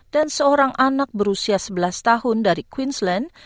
dan seorang anak berusia sebelas tahun dari queensland